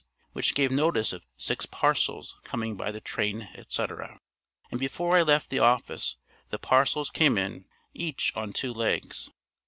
which gave notice of "six parcels" coming by the train, etc. And before I left the office the "parcels" came in, each on two legs.